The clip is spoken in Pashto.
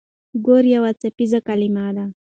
ګور يو څپيز کلمه ده.